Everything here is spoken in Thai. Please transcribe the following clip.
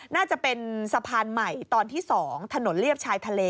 น่าจะเป็นสะพานใหม่ตอนที่๒ถนนเลียบชายทะเล